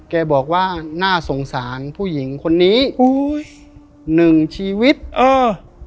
แกบอกว่าน่าสงสารผู้หญิงคนนี้อุ้ยหนึ่งชีวิตเออ